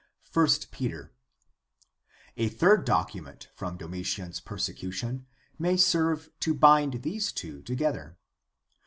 / Peter. — A third document from Domitian's persecution may serve to bind these two together.